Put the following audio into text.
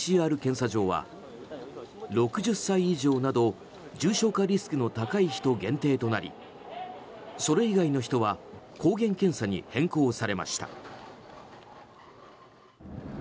ＰＣＲ検査場は６０歳以上など重症化リスクの高い人限定となりそれ以外の人は抗原検査に変更されました。